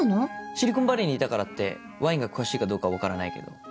シリコンバレーにいたからってワインが詳しいかどうか分からないけど。